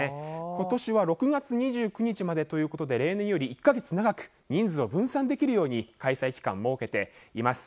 今年は６月２９日までということで例年より１か月長く人数を分散できるように開催期間を設けています。